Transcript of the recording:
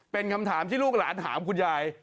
เป็นคำถามที่ลูกหลานถามคุณยาย